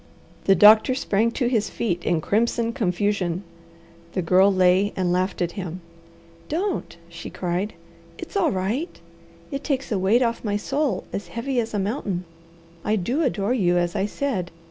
The doctor sprang to his feet in crimson confusion. The Girl lay and laughed at him. "Don't!" she cried. "It's all right! It takes a weight off my soul as heavy as a mountain. I do adore you, as I said.